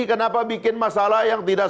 kenapa bikin masalah yang tidak